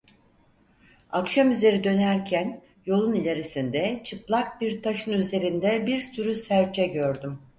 Akşamüzeri dönerken, yolun ilerisinde, çıplak bir taşın üzerinde bir sürü serçe gördüm.